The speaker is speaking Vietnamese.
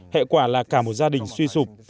hệ quả là cả một gia đình suy sụp